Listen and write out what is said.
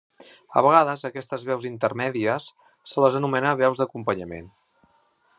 A vegades a aquestes veus intermèdies se les anomena veus d'acompanyament.